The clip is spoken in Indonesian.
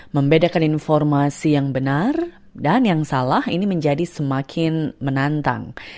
membedakan informasi yang benar dan yang salah ini menjadi semakin menantang